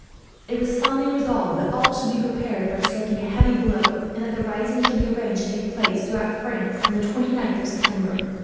It was finally resolved that all shall be prepared for striking a heavy blow, and that the rising shall be arranged to take place, throughout France, on the 29th of September.